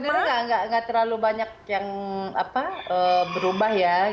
sebenarnya nggak terlalu banyak yang berubah ya